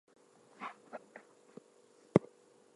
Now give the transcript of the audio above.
She lives in Amman Jordan.